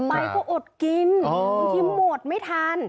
ไปก็อดกินบางทีหมดไม่ทัน